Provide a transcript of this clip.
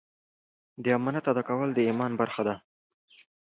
د امانت ادا کول د ایمان برخه ده.